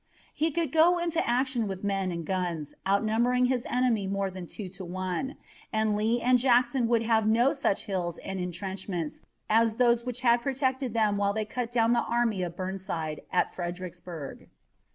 He could go into action with men and guns outnumbering his enemy more than two to one, and Lee and Jackson would have no such hills and intrenchments as those which had protected them while they cut down the army of Burnside at Fredericksburg.